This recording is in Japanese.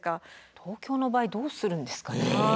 東京の場合どうするんですかね。